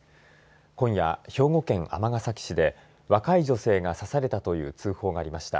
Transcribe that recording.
今夜、兵庫県尼崎市で若い女性が刺されたという通報がありました。